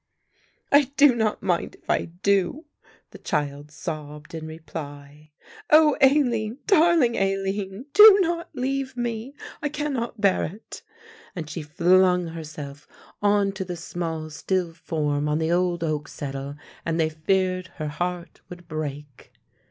"I do not mind if I do," the child sobbed in reply. "Oh, Aline, darling Aline, do not leave me, I cannot bear it," and she flung herself on to the small still form on the old oak settle and they feared her heart would break.